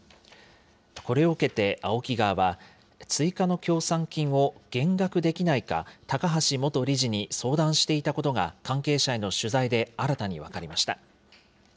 これを受けてＡＯＫＩ側は、追加の協賛金を減額できないか、高橋元理事に相談していたことが関係者への取材で新たに分かりました。